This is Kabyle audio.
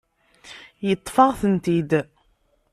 Yeṭṭef-aɣ-tent-id.